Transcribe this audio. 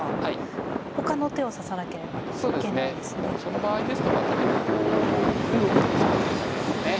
その場合ですと例えば５五歩を突くとかですね。